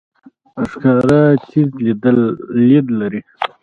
ښکاري تیز لید لري.